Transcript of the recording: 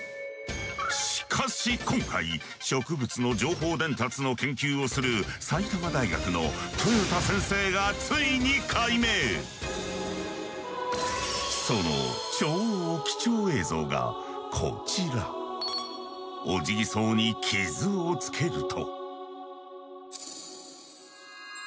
しかし今回植物の情報伝達の研究をする埼玉大学の豊田先生がその超貴重映像がこちら。オジギソウに傷をつけると。